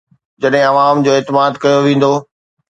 جڏهن عوام جو اعتماد ڪيو ويندو.